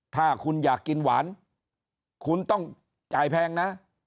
ถ้าคุณอยากกินหวานคุณต้องจ่ายแพงนะ